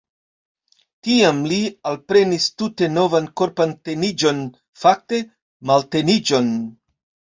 Tiam li alprenis tute novan korpan teniĝon – fakte malteniĝon.